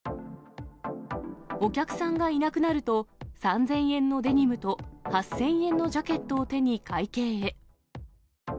お客さんがいなくなると、３０００円のデニムと８０００円のジャケットを手に会計へ。